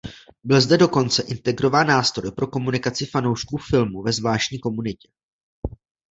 Byl zde dokonce integrován nástroj pro komunikaci fanoušků filmu ve zvláštní komunitě.